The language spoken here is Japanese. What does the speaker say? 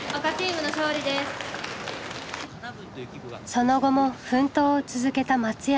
その後も奮闘を続けた松山東。